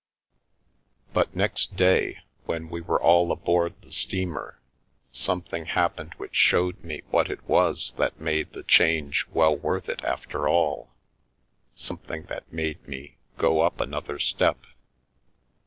But next day, when we were all aboard the steamer, something happened which showed me what it was that made the change well worth it after all, something that made me " go up another step."